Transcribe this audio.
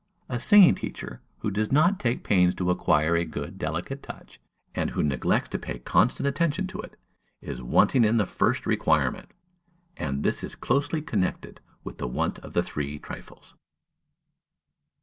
A singing teacher who does not take pains to acquire a good, delicate touch, and who neglects to pay constant attention to it, is wanting in the first requirement; and this is closely connected with the want of "the three trifles."